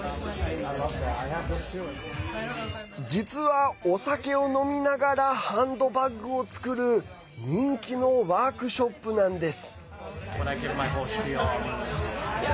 実は、お酒を飲みながらハンドバッグを作る人気のワークショップなんです。